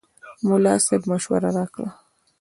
ملا صاحب مشوره راکړه.